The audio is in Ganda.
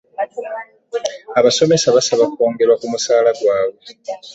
Abasomesa basaba kwongerwa ku musaala gwabwe.